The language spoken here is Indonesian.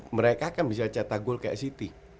mereka kan bisa cetak gol kayak city